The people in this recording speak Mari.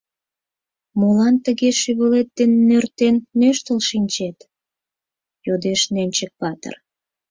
— Молан тыге шӱвылет дене нӧртен нӧштыл шинчет? — йодеш Нӧнчык-патыр.